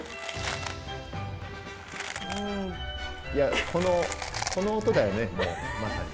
いやこの音だよねもうまさに。